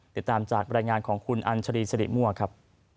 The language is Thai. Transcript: ติดตามจากบรรยายงานของคุณอัญชรีสิริมั่วครับ